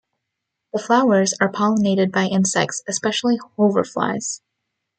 The flowers are pollinated by insects, especially hoverflies.